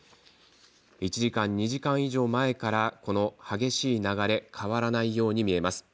１時間、２時間以上前から激しい流れは変わらないように見えます。